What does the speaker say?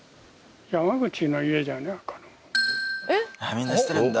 みんな知ってるんだ